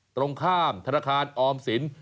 ตรงข้ามธนาคารออมสิน